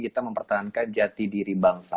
kita mempertahankan jati diri bangsa